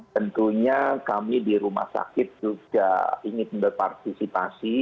tentunya kami di rumah sakit juga ingin berpartisipasi